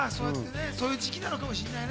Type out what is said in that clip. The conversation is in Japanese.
そういう時期なのかもしれないね。